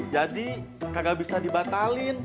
jadi kagak bisa dibatalin